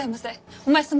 お前様